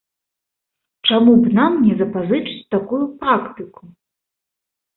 Чаму б нам не запазычыць такую практыку?